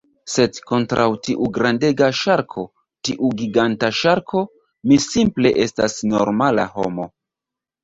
Sed kontraŭ tiu grandega ŝarko, tiu giganta ŝarko, mi simple estas normala homo.